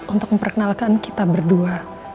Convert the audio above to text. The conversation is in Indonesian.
untuk memperkenalkan kita berdua